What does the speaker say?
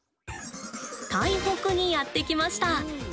台北にやって来ました。